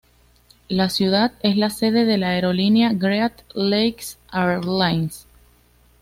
La ciudad es la sede de la aerolínea Great Lakes Airlines.